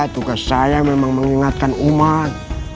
tugas saya memang mengingatkan umat